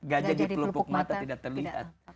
gajah di pelupuk mata tidak terlihat